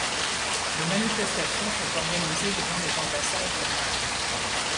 Des manifestations sont organisées devant les ambassades birmanes.